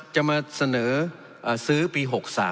จะมาเสนอซื้อปี๖๓